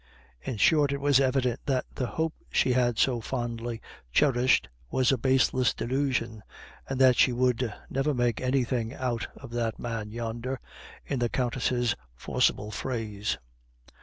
In short, it was evident that the hope she had so fondly cherished was a baseless delusion, and that she would "never make anything out of that man yonder," in the Countess' forcible phrase.